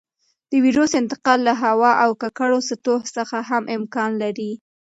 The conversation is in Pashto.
د وېروس انتقال له هوا او ککړو سطحو څخه هم امکان لري.